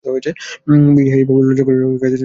বিহারীবাবু, লজ্জা করিয়া খাইতেছেন না, না রাগ করিয়া?